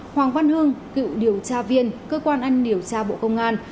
hoàng văn hưng cựu điều tra viên cơ quan ăn điều tra bộ công an